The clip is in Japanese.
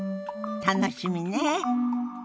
楽しみね。